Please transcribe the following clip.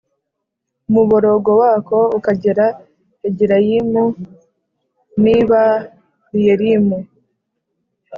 umuborogo wako ukagera Egilayimu n i B riyelimu